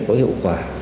có hiệu quả